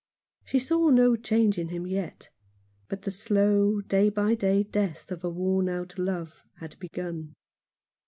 She saw no change in him yet ; but the slow, day by day death of a worn out love had begun.